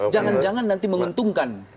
jangan jangan nanti menguntungkan